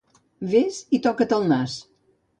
Ves i toca't el nas.